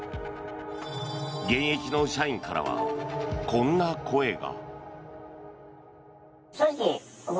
現役の社員からは、こんな声が。